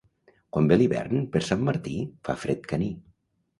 Quan ve l'hivern per Sant Martí, fa fred caní.